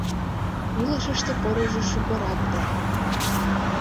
илышыште порыжо шукырак дыр